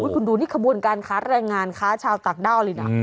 คุณดูนี่ขบวนการค้าแรงงานค้าชาวต่างด้าวเลยนะ